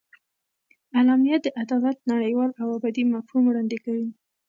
اعلامیه د عدالت نړیوال او ابدي مفهوم وړاندې کوي.